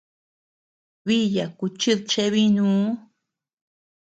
Biya kuchid cheʼe bínuu.